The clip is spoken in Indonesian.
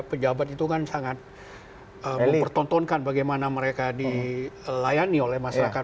pejabat itu kan sangat mempertontonkan bagaimana mereka dilayani oleh masyarakat